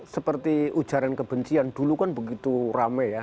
seperti ujaran kebencian dulu kan begitu rame ya